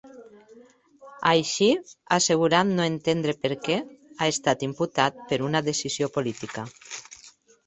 Així, ha assegurat no entendre perquè ha estat imputat per una decisió política.